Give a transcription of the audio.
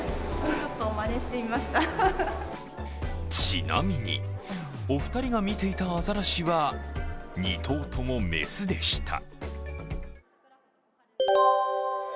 ちなみにお二人が見ていたアザラシは２頭とも雌でした。